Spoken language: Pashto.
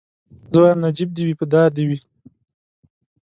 زه وايم نجيب دي وي په دار دي وي